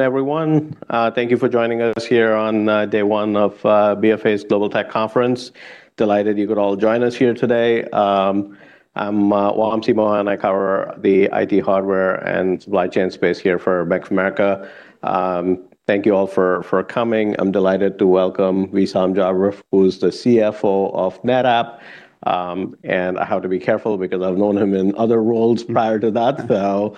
Everyone, thank you for joining us here on day one of BofA's Global Technology Conference. Delighted you could all join us here today. I'm Wamsi Mohan. I cover the IT hardware and supply chain space here for Bank of America. Thank you all for coming. I'm delighted to welcome Wissam Jabre, who's the CFO of NetApp. I have to be careful because I've known him in other roles prior to that. Well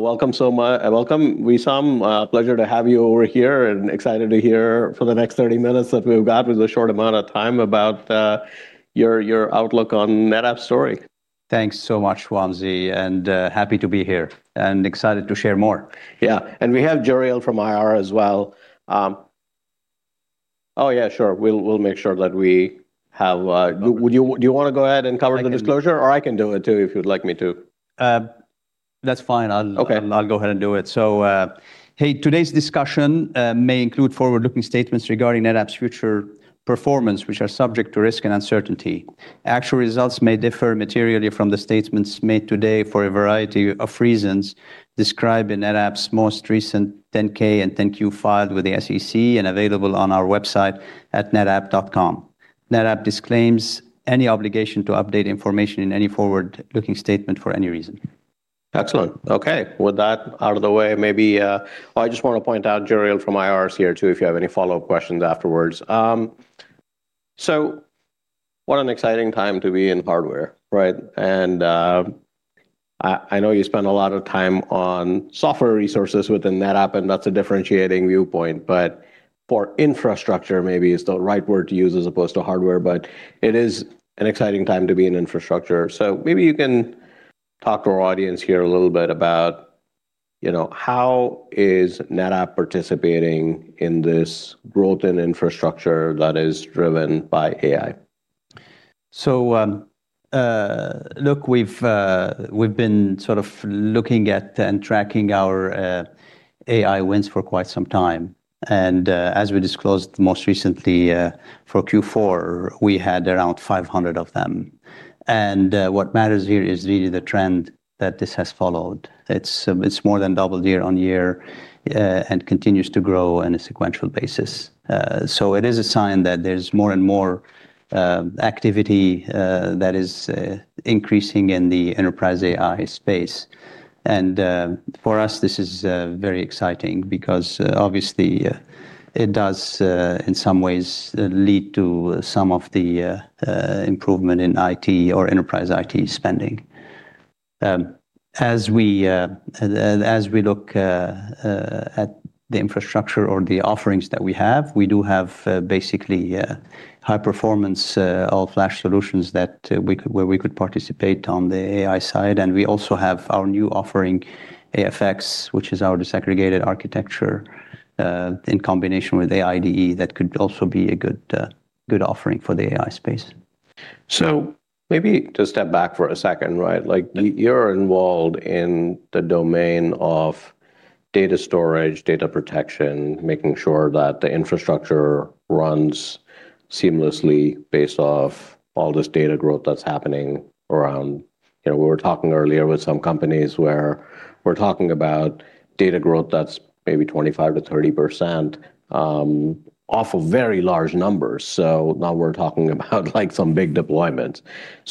welcome, Wissam. Pleasure to have you over here, and excited to hear for the next 30 minutes that we've got, which is a short amount of time, about your outlook on NetApp's story. Thanks so much, Wamsi, and happy to be here. Excited to share more. Yeah. We have Jeriel from IR as well. Sure. We'll make sure that. Do you want to go ahead and cover the disclosure? Or I can do it, too, if you'd like me to. That's fine. Okay. I'll go ahead and do it. Hey, today's discussion may include forward-looking statements regarding NetApp's future performance, which are subject to risk and uncertainty. Actual results may differ materially from the statements made today for a variety of reasons described in NetApp's most recent 10-K and 10-Q filed with the SEC and available on our website at netapp.com. NetApp disclaims any obligation to update information in any forward-looking statement for any reason. Excellent. Okay. With that out of the way, maybe I just want to point out Jeriel from IR is here, too, if you have any follow-up questions afterwards. What an exciting time to be in hardware, right? I know you spend a lot of time on software resources within NetApp, and that's a differentiating viewpoint. For infrastructure, maybe is the right word to use as opposed to hardware. It is an exciting time to be in infrastructure. Maybe you can talk to our audience here a little bit about how is NetApp participating in this growth in infrastructure that is driven by AI. Look, we've been sort of looking at and tracking our AI wins for quite some time. As we disclosed most recently for Q4, we had around 500 of them. What matters here is really the trend that this has followed. It's more than doubled year-over-year and continues to grow on a sequential basis. It is a sign that there's more and more activity that is increasing in the enterprise AI space. For us, this is very exciting because obviously it does in some ways lead to some of the improvement in IT or enterprise IT spending. As we look at the infrastructure or the offerings that we have, we do have basically high-performance all-flash solutions where we could participate on the AI side. We also have our new offering, AFX, which is our disaggregated architecture, in combination with AIde that could also be a good offering for the AI space. Maybe to step back for a second, right? You're involved in the domain of data storage, data protection, making sure that the infrastructure runs seamlessly based off all this data growth that's happening around. We were talking earlier with some companies where we're talking about data growth that's maybe 25%-30%, off of very large numbers. Now we're talking about some big deployments.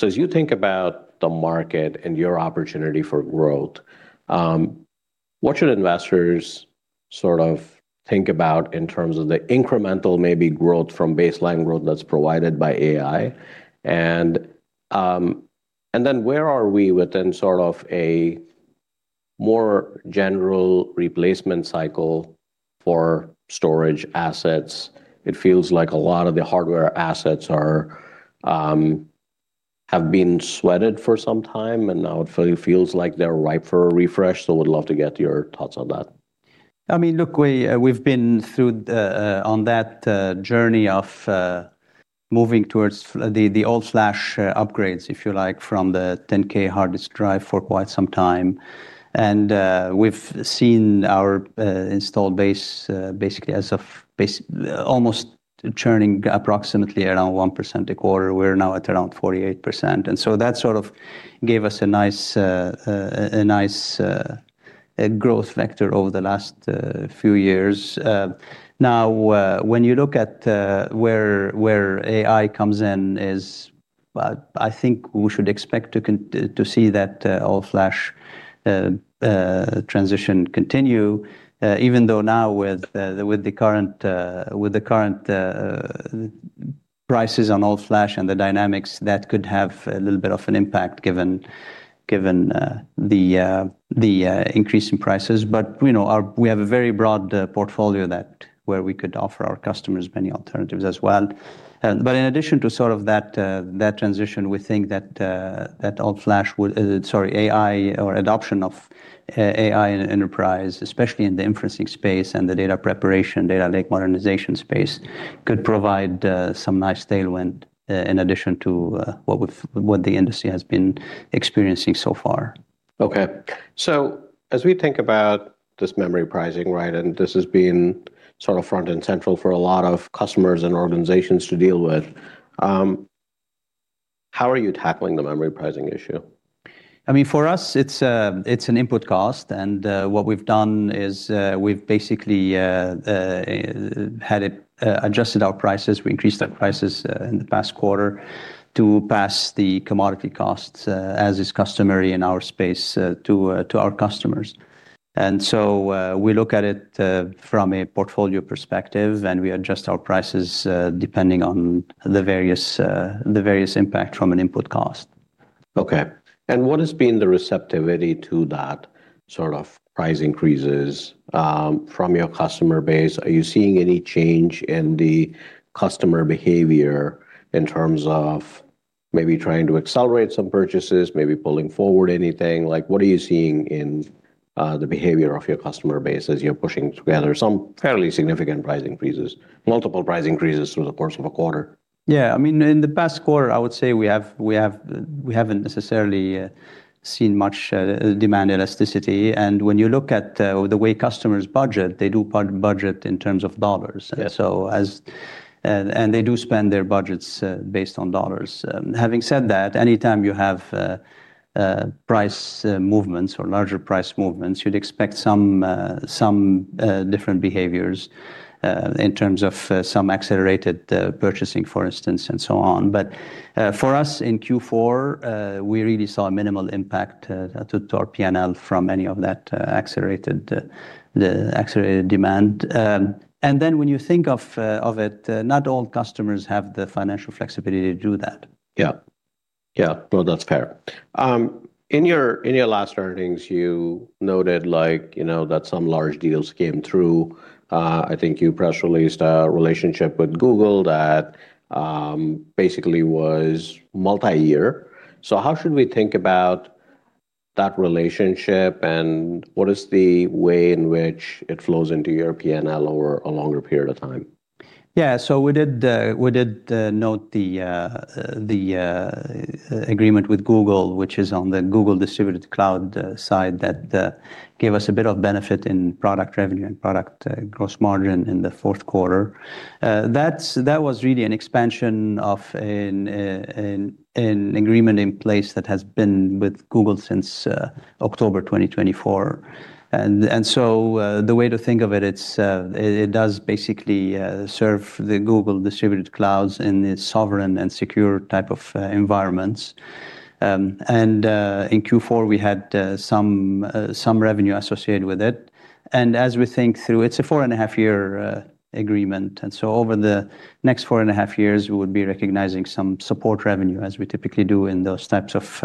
As you think about the market and your opportunity for growth, what should investors think about in terms of the incremental, maybe, growth from baseline growth that's provided by AI? Where are we within a more general replacement cycle for storage assets? It feels like a lot of the hardware assets have been sweated for some time, and now it feels like they're ripe for a refresh. Would love to get your thoughts on that. Look, we've been on that journey of moving towards the all-flash upgrades, if you like, from the 10K hard disk drive for quite some time. We've seen our install base basically almost churning approximately around 1% a quarter. We're now at around 48%. That gave us a nice growth factor over the last few years. Now, when you look at where AI comes in is I think we should expect to see that all-flash transition continue, even though now with the current prices on all-flash and the dynamics, that could have a little bit of an impact given the increase in prices. We have a very broad portfolio where we could offer our customers many alternatives as well. In addition to that transition, we think that all-flash Sorry. AI or adoption of AI in an enterprise, especially in the inferencing space and the data preparation, data lake modernization space, could provide some nice tailwind in addition to what the industry has been experiencing so far. Okay. As we think about this memory pricing, right? This has been front and central for a lot of customers and organizations to deal with. How are you tackling the memory pricing issue? For us, it's an input cost, and what we've done is we've basically adjusted our prices. We increased our prices in the past quarter to pass the commodity costs, as is customary in our space, to our customers. We look at it from a portfolio perspective, and we adjust our prices depending on the various impact from an input cost. Okay. What has been the receptivity to that sort of price increases from your customer base? Are you seeing any change in the customer behavior in terms of maybe trying to accelerate some purchases, maybe pulling forward anything? What are you seeing in the behavior of your customer base as you're pushing together some fairly significant price increases, multiple price increases through the course of a quarter? Yeah. In the past quarter, I would say we haven't necessarily seen much demand elasticity. When you look at the way customers budget, they do budget in terms of dollars. Yes. They do spend their budgets based on dollars. Having said that, anytime you have price movements or larger price movements, you'd expect some different behaviors in terms of some accelerated purchasing, for instance, and so on. For us, in Q4, we really saw a minimal impact to our P&L from any of that accelerated demand. When you think of it, not all customers have the financial flexibility to do that. Yeah. No, that's fair. In your last earnings, you noted that some large deals came through. I think you press released a relationship with Google that basically was multi-year. How should we think about that relationship, and what is the way in which it flows into your P&L over a longer period of time? We did note the agreement with Google, which is on the Google Distributed Cloud side that gave us a bit of benefit in product revenue and product gross margin in the fourth quarter. That was really an expansion of an agreement in place that has been with Google since October 2024. The way to think of it does basically serve the Google Distributed Clouds in its sovereign and secure type of environments. In Q4, we had some revenue associated with it. As we think through, it's a four-and-a-half-year agreement. Over the next four and a half years, we would be recognizing some support revenue, as we typically do in those types of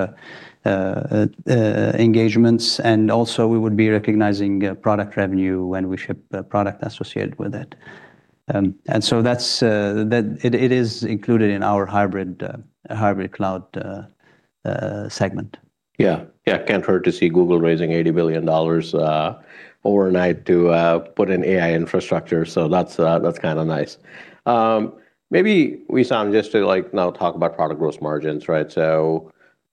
engagements. Also, we would be recognizing product revenue when we ship a product associated with it. It is included in our hybrid cloud segment. Yeah. Can't wait to see Google raising $80 billion overnight to put in AI infrastructure. That's kind of nice. Maybe, Wissam, just to now talk about product gross margins, right?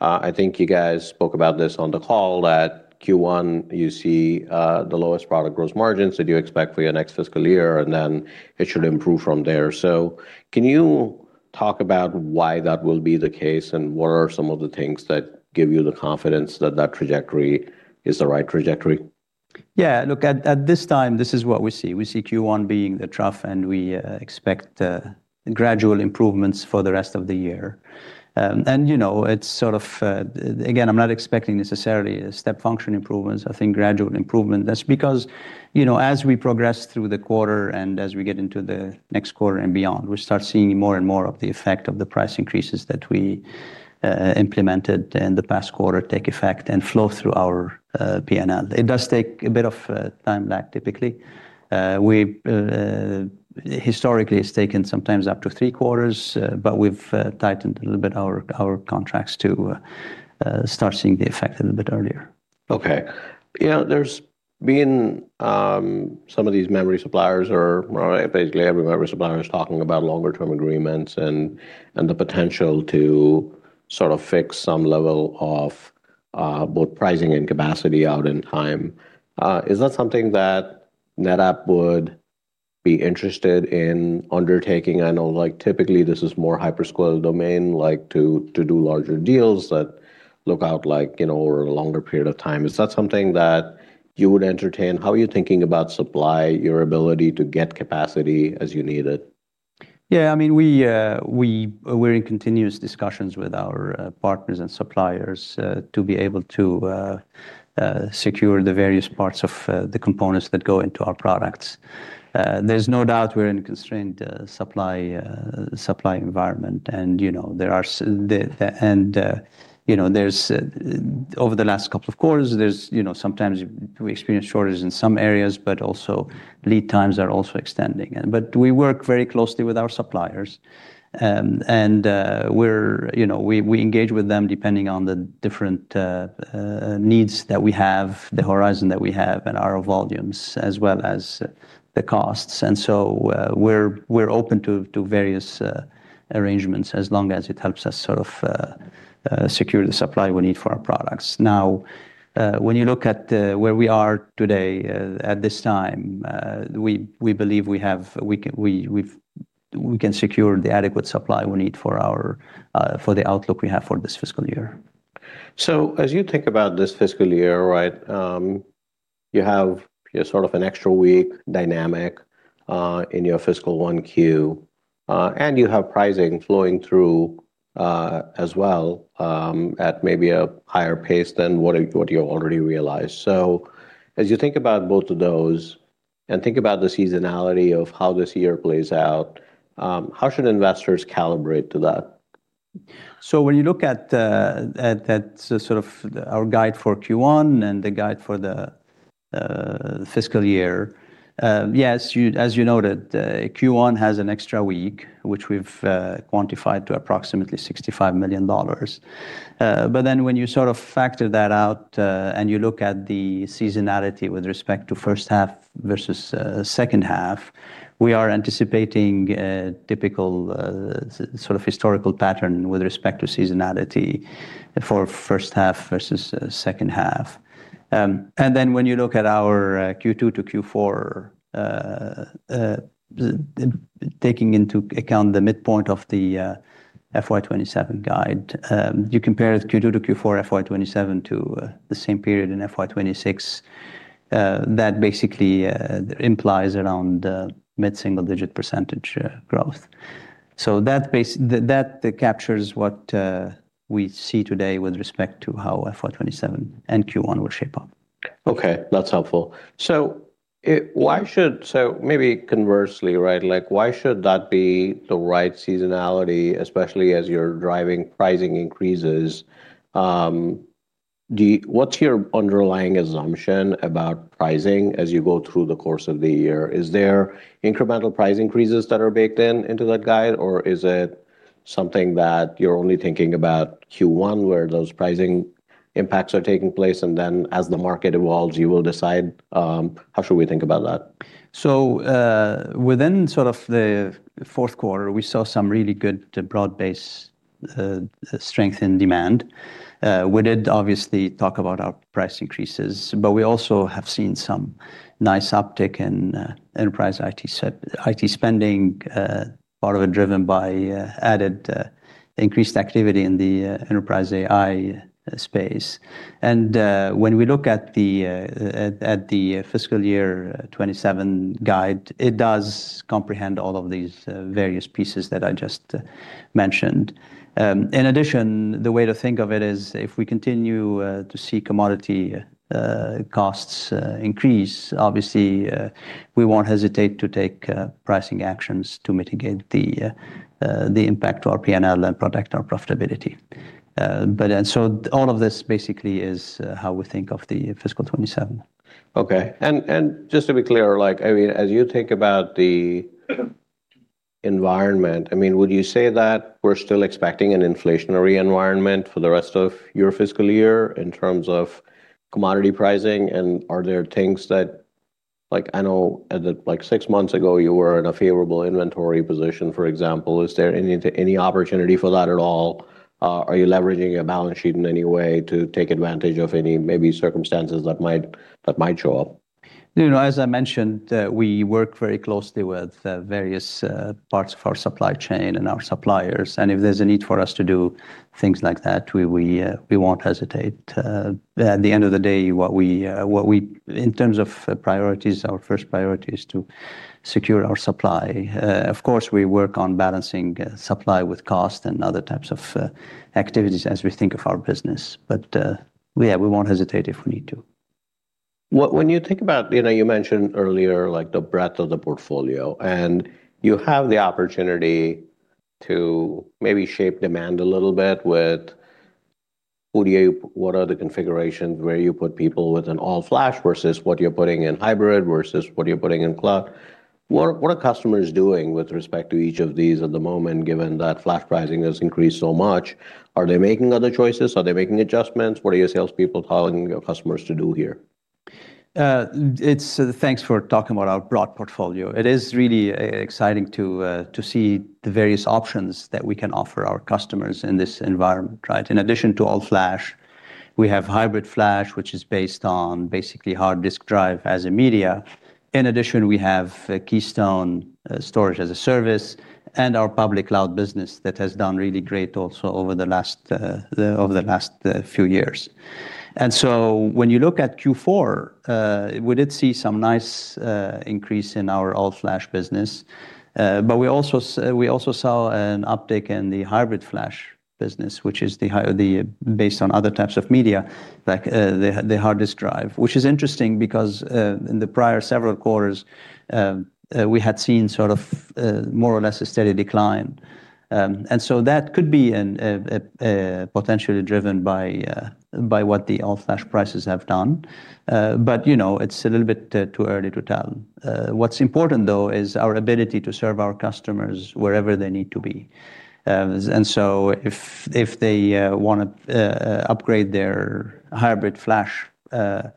I think you guys spoke about this on the call that Q1, you see the lowest product gross margins that you expect for your next fiscal year, and then it should improve from there. Can you talk about why that will be the case, and what are some of the things that give you the confidence that that trajectory is the right trajectory? Yeah. Look, at this time, this is what we see. We see Q1 being the trough, we expect gradual improvements for the rest of the year. Again, I'm not expecting necessarily a step function improvements. I think gradual improvement. That's because as we progress through the quarter and as we get into the next quarter and beyond, we start seeing more and more of the effect of the price increases that we implemented in the past quarter take effect and flow through our P&L. It does take a bit of time back typically. Historically, it's taken sometimes up to three quarters, we've tightened a little bit our contracts to start seeing the effect a little bit earlier. Okay. There's been some of these memory suppliers, basically every memory supplier is talking about longer term agreements and the potential to sort of fix some level of both pricing and capacity out in time. Is that something that NetApp would be interested in undertaking? I know typically this is more hyperscale domain, to do larger deals that look out over a longer period of time. Is that something that you would entertain? How are you thinking about supply, your ability to get capacity as you need it? Yeah. We're in continuous discussions with our partners and suppliers to be able to secure the various parts of the components that go into our products. There's no doubt we're in a constrained supply environment. Over the last couple of quarters, sometimes we experience shortages in some areas, but also lead times are also extending. We work very closely with our suppliers. We engage with them depending on the different needs that we have, the horizon that we have, and our volumes, as well as the costs. We're open to various arrangements as long as it helps us secure the supply we need for our products. Now, when you look at where we are today at this time, we believe we can secure the adequate supply we need for the outlook we have for this fiscal year. As you think about this fiscal year, you have sort of an extra week dynamic in your fiscal 1Q, and you have pricing flowing through as well, at maybe a higher pace than what you already realized. As you think about both of those and think about the seasonality of how this year plays out, how should investors calibrate to that? When you look at our guide for Q1 and the guide for the fiscal year, yes, as you noted, Q1 has an extra week, which we've quantified to approximately $65 million. When you factor that out, and you look at the seasonality with respect to first half versus second half, we are anticipating a typical historical pattern with respect to seasonality for first half versus second half. When you look at our Q2 to Q4, taking into account the midpoint of the FY2027 guide, you compare Q2 to Q4 FY2027 to the same period in FY2026. That basically implies around mid-single-digit % growth. That captures what we see today with respect to how FY2027 and Q1 will shape up. Okay, that's helpful. Maybe conversely, why should that be the right seasonality, especially as you're driving pricing increases? What's your underlying assumption about pricing as you go through the course of the year? Is there incremental price increases that are baked into that guide, or is it something that you're only thinking about Q1, where those pricing impacts are taking place, and then as the market evolves, you will decide? How should we think about that? Within the fourth quarter, we saw some really good broad-based strength in demand. We did obviously talk about our price increases, but we also have seen some nice uptick in enterprise IT spending, part of it driven by added increased activity in the enterprise AI space. When we look at the fiscal year 2027 guide, it does comprehend all of these various pieces that I just mentioned. In addition, the way to think of it is if we continue to see commodity costs increase, obviously, we won't hesitate to take pricing actions to mitigate the impact to our P&L and protect our profitability. All of this basically is how we think of the fiscal 2027. Okay. Just to be clear, as you think about the environment, would you say that we're still expecting an inflationary environment for the rest of your fiscal year in terms of commodity pricing? Are there things? I know six months ago you were in a favorable inventory position, for example. Is there any opportunity for that at all? Are you leveraging your balance sheet in any way to take advantage of any maybe circumstances that might show up? As I mentioned, we work very closely with various parts of our supply chain and our suppliers, and if there's a need for us to do things like that, we won't hesitate. At the end of the day, in terms of priorities, our first priority is to secure our supply. Of course, we work on balancing supply with cost and other types of activities as we think of our business. We won't hesitate if we need to. When you think about, you mentioned earlier, the breadth of the portfolio, and you have the opportunity to maybe shape demand a little bit with what are the configurations where you put people with an all-flash versus what you're putting in hybrid versus what you're putting in cloud. What are customers doing with respect to each of these at the moment, given that flash pricing has increased so much? Are they making other choices? Are they making adjustments? What are your salespeople telling your customers to do here? Thanks for talking about our broad portfolio. It is really exciting to see the various options that we can offer our customers in this environment. In addition to all-flash, we have hybrid flash, which is based on basically hard disk drive as a media. In addition, we have Keystone Storage as a Service and our public cloud business that has done really great also over the last few years. When you look at Q4, we did see some nice increase in our all-flash business. We also saw an uptick in the hybrid flash business, which is based on other types of media, like the hard disk drive, which is interesting because in the prior several quarters, we had seen more or less a steady decline. That could be potentially driven by what the all-flash prices have done. It's a little bit too early to tell. What's important, though, is our ability to serve our customers wherever they need to be. If they want to upgrade their hybrid flash data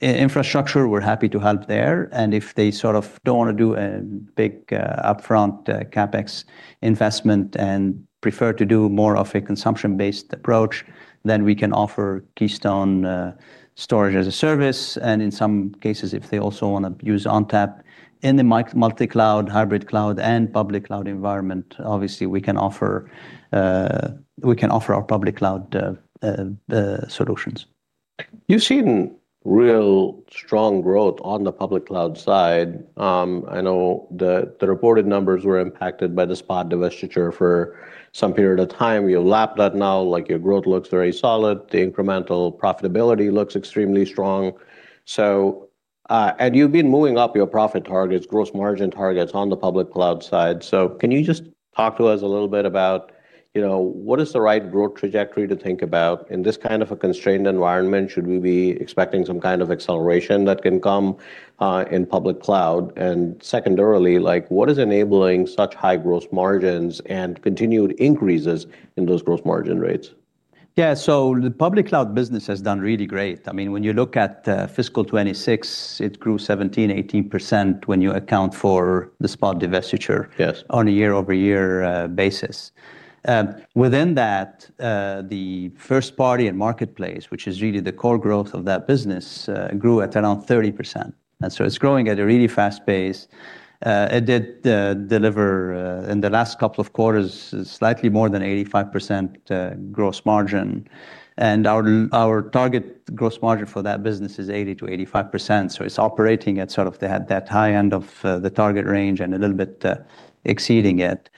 infrastructure, we're happy to help there. If they don't want to do a big upfront CapEx investment and prefer to do more of a consumption-based approach, we can offer Keystone Storage as a Service. In some cases, if they also want to use ONTAP in the multi-cloud, hybrid cloud, and public cloud environment, we can offer our public cloud solutions. You've seen real strong growth on the public cloud side. I know the reported numbers were impacted by the Spot divestiture for some period of time. We have lapped that now. Your growth looks very solid. The incremental profitability looks extremely strong. You've been moving up your profit targets, gross margin targets on the public cloud side. Can you just talk to us a little bit about, what is the right growth trajectory to think about in this kind of a constrained environment? Should we be expecting some kind of acceleration that can come in public cloud? Secondarily, what is enabling such high gross margins and continued increases in those gross margin rates? Yeah. The public cloud business has done really great. When you look at fiscal 2026, it grew 17%, 18% when you account for the Spot divestiture. Yes on a year-over-year basis. Within that, the first party and marketplace, which is really the core growth of that business, grew at around 30%. It's growing at a really fast pace. It did deliver, in the last couple of quarters, slightly more than 85% gross margin. Our target gross margin for that business is 80%-85%. It's operating at that high end of the target range and a little bit exceeding it.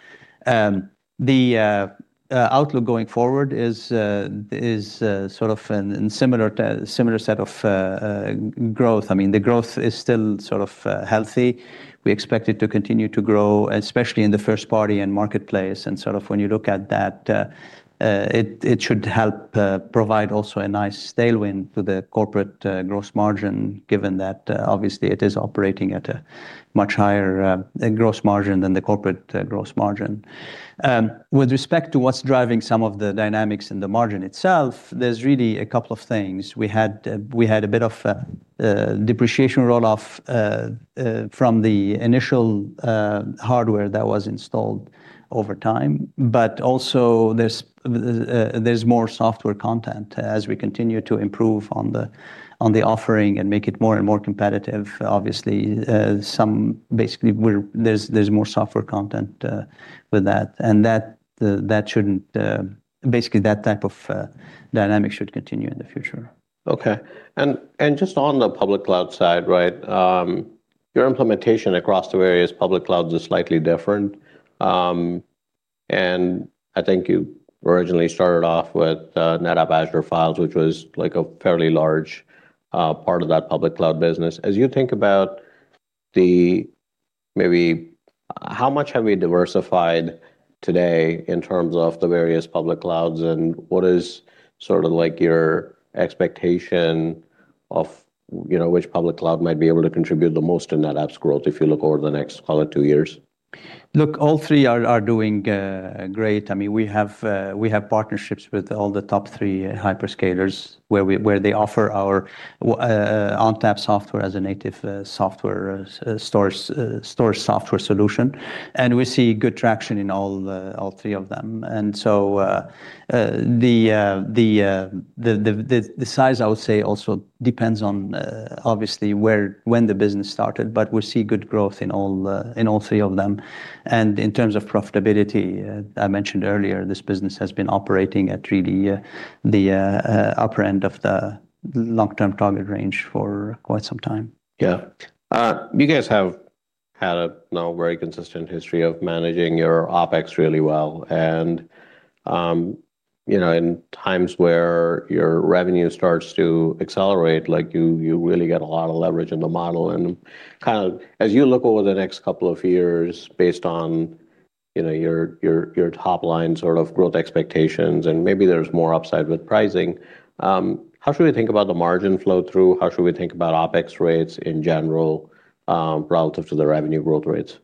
The outlook going forward is a similar set of growth. The growth is still healthy. We expect it to continue to grow, especially in the first party and marketplace. When you look at that, it should help provide also a nice tailwind to the corporate gross margin, given that obviously it is operating at a much higher gross margin than the corporate gross margin. With respect to what's driving some of the dynamics in the margin itself, there's really a couple of things. We had a bit of depreciation from the initial hardware that was installed over time. Also, there's more software content as we continue to improve on the offering and make it more and more competitive. Obviously, basically, there's more software content with that. Basically, that type of dynamic should continue in the future. Okay. Just on the public cloud side, your implementation across the various public clouds is slightly different. I think you originally started off with NetApp Files, which was a fairly large part of that public cloud business. As you think about maybe how much have we diversified today in terms of the various public clouds, and what is your expectation of which public cloud might be able to contribute the most to NetApp's growth if you look over the next, call it two years? Look, all three are doing great. We have partnerships with all the top three hyperscalers where they offer our ONTAP software as a native storage software solution. We see good traction in all three of them. The size, I would say, also depends on obviously when the business started, but we see good growth in all three of them. In terms of profitability, I mentioned earlier, this business has been operating at really the upper end of the long-term target range for quite some time. Yeah. You guys have had a now very consistent history of managing your OpEx really well. In times where your revenue starts to accelerate, you really get a lot of leverage in the model. As you look over the next couple of years based on your top-line growth expectations, and maybe there's more upside with pricing, how should we think about the margin flow-through? How should we think about OpEx rates in general relative to the revenue growth rates?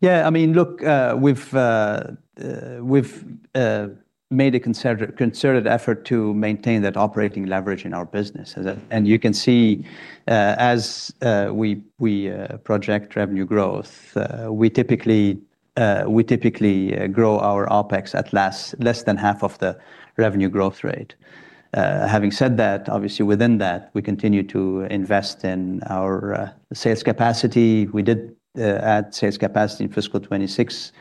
Look, we've made a concerted effort to maintain that operating leverage in our business. You can see as we project revenue growth, we typically grow our OpEx at less than half of the revenue growth rate. Having said that, obviously within that, we continue to invest in our sales capacity. We did add sales capacity in fiscal 2026.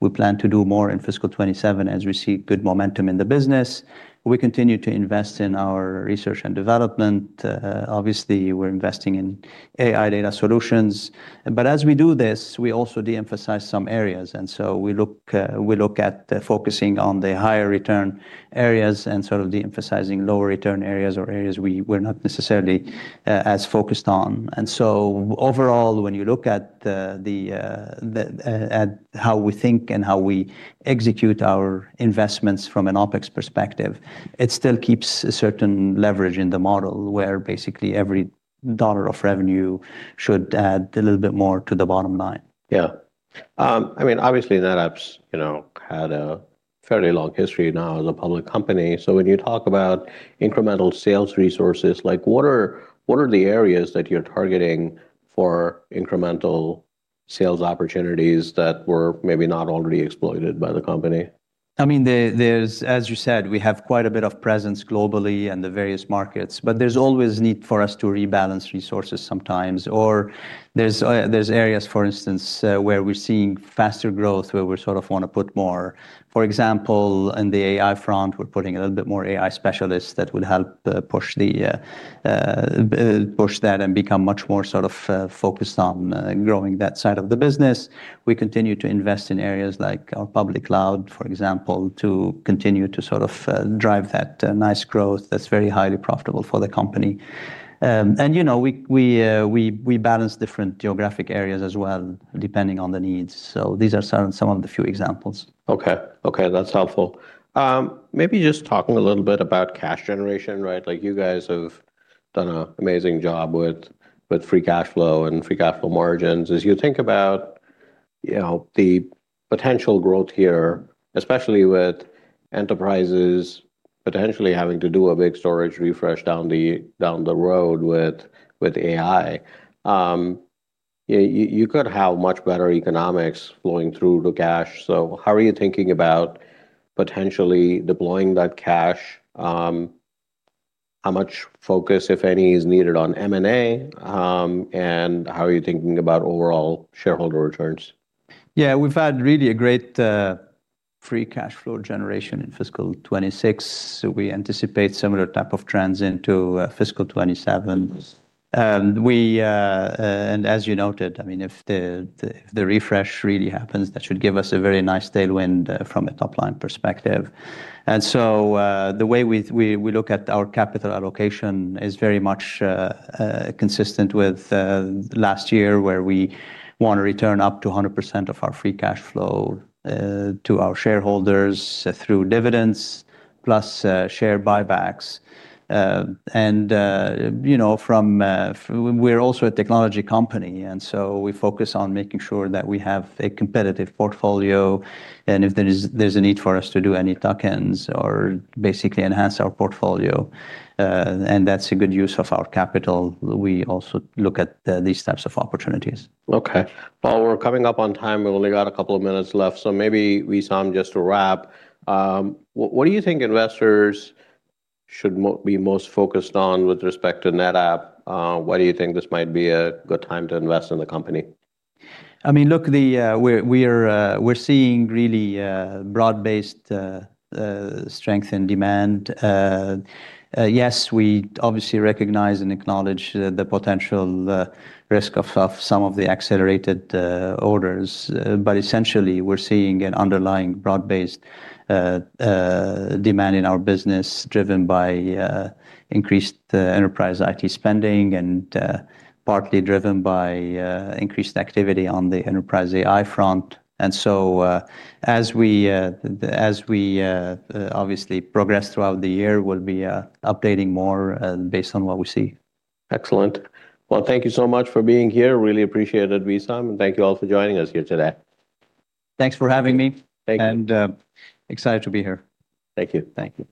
We plan to do more in fiscal 2027 as we see good momentum in the business. We continue to invest in our research and development. Obviously, we're investing in AI data solutions. As we do this, we also de-emphasize some areas. We look at focusing on the higher return areas and de-emphasizing lower return areas or areas we're not necessarily as focused on. Overall, when you look at how we think and how we execute our investments from an OpEx perspective, it still keeps a certain leverage in the model where basically every dollar of revenue should add a little bit more to the bottom line. Yeah. Obviously NetApp's had a fairly long history now as a public company. When you talk about incremental sales resources, what are the areas that you're targeting for incremental sales opportunities that were maybe not already exploited by the company? As you said, we have quite a bit of presence globally in the various markets, but there's always need for us to rebalance resources sometimes. There's areas, for instance, where we're seeing faster growth where we sort of want to put more. For example, in the AI front, we're putting a little bit more AI specialists that will help push that and become much more focused on growing that side of the business. We continue to invest in areas like our public cloud, for example, to continue to drive that nice growth that's very highly profitable for the company. We balance different geographic areas as well, depending on the needs. These are some of the few examples. Okay. That's helpful. Maybe just talking a little bit about cash generation, right? You guys have done an amazing job with free cash flow and free cash flow margins. As you think about the potential growth here, especially with enterprises potentially having to do a big storage refresh down the road with AI, you could have much better economics flowing through to cash. How are you thinking about potentially deploying that cash? How much focus, if any, is needed on M&A? How are you thinking about overall shareholder returns? Yeah. We've had really a great free cash flow generation in fiscal 2026. We anticipate similar type of trends into fiscal 2027. As you noted, if the refresh really happens, that should give us a very nice tailwind from a top-line perspective. The way we look at our capital allocation is very much consistent with last year, where we want to return up to 100% of our free cash flow to our shareholders through dividends plus share buybacks. We're also a technology company, we focus on making sure that we have a competitive portfolio, if there's a need for us to do any tuck-ins or basically enhance our portfolio, that's a good use of our capital. We also look at these types of opportunities. Okay. Well, we're coming up on time. We've only got a couple of minutes left, maybe, Wissam, just to wrap, what do you think investors should be most focused on with respect to NetApp? Why do you think this might be a good time to invest in the company? We're seeing really broad-based strength and demand. We obviously recognize and acknowledge the potential risk of some of the accelerated orders. Essentially, we're seeing an underlying broad-based demand in our business, driven by increased enterprise IT spending and partly driven by increased activity on the enterprise AI front. As we obviously progress throughout the year, we'll be updating more based on what we see. Excellent. Well, thank you so much for being here. Really appreciate it, Wissam, and thank you all for joining us here today. Thanks for having me. Thank you. excited to be here. Thank you. Thank you.